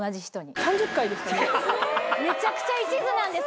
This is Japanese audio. めちゃくちゃ一途なんです。